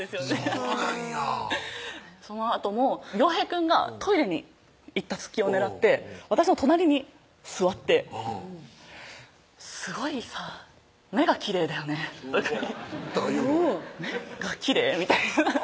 そうなんやそのあともヨウヘイくんがトイレに行った隙を狙って私の隣に座って「すごいさ目がきれいだよね」とかとか言うの目がきれい？みたいな